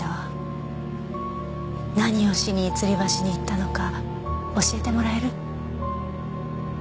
何をしにつり橋に行ったのか教えてもらえる？